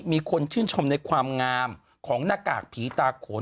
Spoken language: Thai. มีคนชื่นชมในความงามของหน้ากากผีตาโขน